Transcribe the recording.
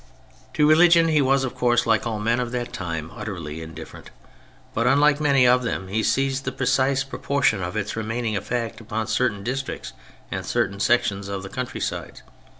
To religion he was, of course, like all men of that time, utterly indifferent, but unlike many of them he seized the precise proportion of its remaining effect upon certain districts and certain sections of the countrysides.